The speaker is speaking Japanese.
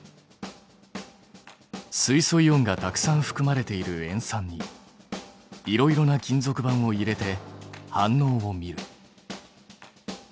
水素イオンがたくさんふくまれている塩酸にいろいろな金属板を入れて反応を見る。